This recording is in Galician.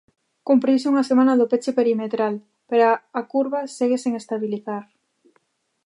Cumpriuse unha semana do peche perimetral, pero a curva segue sen estabilizar.